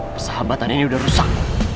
pesahabatan ini udah rusak